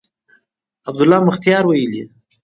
عبدالله مختیار ویلي